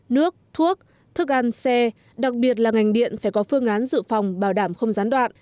nước thuốc ăn xe đặc biệt là ngành điện phải có phương án dự phòng bảo đảm không gián đoạn